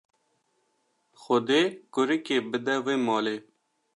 Xwedê kurikê bide vê malê.